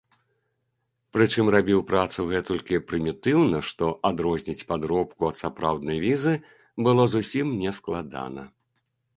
Прычым рабіў працу гэтулькі прымітыўна, што адрозніць падробку ад сапраўднай візы было зусім нескладана.